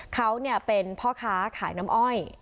เขาเป็นพ่อค้าขายน้ำอ้อย